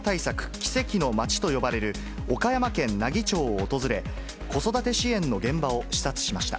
・奇跡の町と呼ばれる岡山県奈義町を訪れ、子育て支援の現場を視察しました。